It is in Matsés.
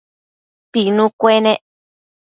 Pinu cuenec